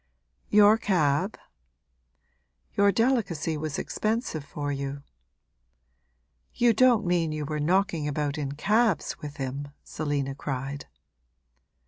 'Your cab?' 'Your delicacy was expensive for you!' 'You don't mean you were knocking about in cabs with him!' Selina cried.